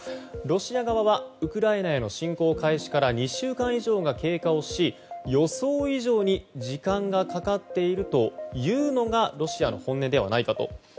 ロシア側はウクライナへの侵攻開始から２週間以上が経過し予想以上に時間がかかっているというのがロシアの本音ではないかと。